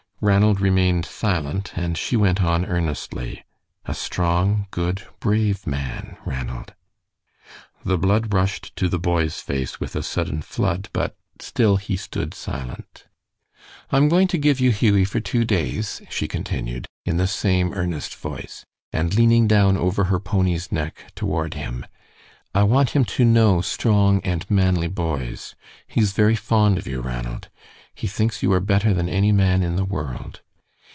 Ranald remained silent, and she went on earnestly: "A strong, good, brave man, Ranald." The blood rushed to the boy's face with a sudden flood, but still he stood silent. "I'm going to give you Hughie for two days," she continued, in the same earnest voice; and leaning down over her pony's neck toward him: "I want him to know strong and manly boys. He is very fond of you, Ranald. He thinks you are better than any man in the world."